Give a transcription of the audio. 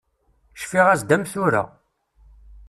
Cfiɣ-as-d am tura.